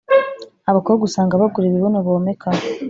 Abakobwa usanga bagura ibibuno bomekaho